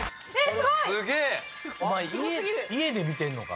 すごい！お前家で見てんのか。